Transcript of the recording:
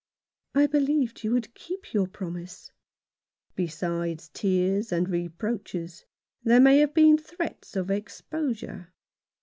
" I believed you would keep your promise." Besides tears and reproaches there may have been threats of exposure.